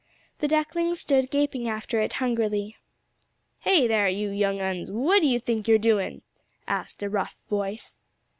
The ducklings stood gaping after it hungrily. "Hey there, you young 'uns! What do you think you're doing?" asked a rough voice.